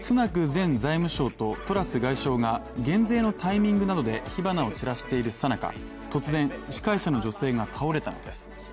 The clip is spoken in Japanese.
前財務相とトラス外相が減税のタイミングなどで火花を散らしている最中、突然、司会者の女性が倒れたのです。